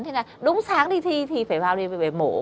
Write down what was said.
thế là đúng sáng đi thi thì phải vào đi về mổ